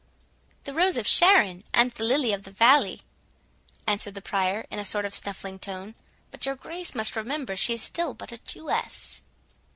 "The Rose of Sharon and the Lily of the Valley,"—answered the Prior, in a sort of snuffling tone; "but your Grace must remember she is still but a Jewess."